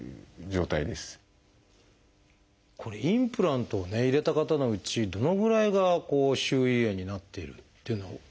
これインプラントをね入れた方のうちどのぐらいが周囲炎になっているっていうのは分かってるんですか？